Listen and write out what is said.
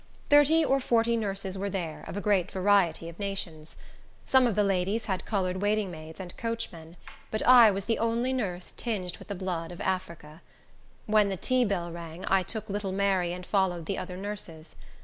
Thirty or forty nurses were there, of a great variety of nations. Some of the ladies had colored waiting maids and coachmen, but I was the only nurse tinged with the blood of Africa. When the tea bell rang, I took little Mary and followed the other nurses.